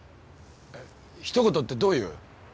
ひと言ってどういう？